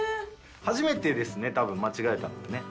初めてですね多分間違えたのはね。